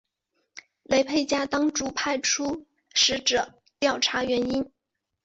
雷沛家当主派出使者调查原因。